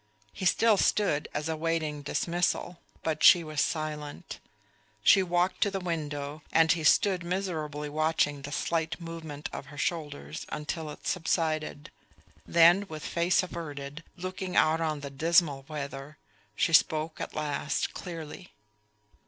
He still stood as awaiting dismissal; but she was silent. She walked to the window, and he stood miserably watching the slight movement of her shoulders until it subsided. Then with face averted, looking out on the dismal weather, she spoke at last clearly.